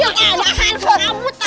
sambut aja sabut aja